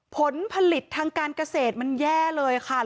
ผลผลิตทางการเกษตรมันแย่เลยค่ะ